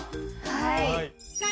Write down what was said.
はい。